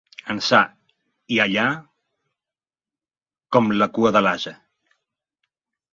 Ençà i enllà, com la cua de l'ase.